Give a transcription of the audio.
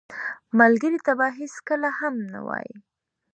ملګری ته به هېڅکله هم نه وایې